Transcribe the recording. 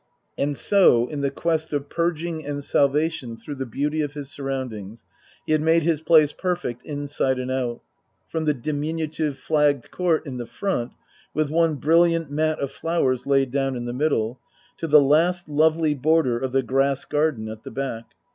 And so, in the quest of purging and salvation through the beauty of his surroundings, he had made his place perfect inside and out, from the diminutive flagged court in the front (with one brilliant mat of flowers laid down in the middle) to the last lovely border of the grass garden at the back.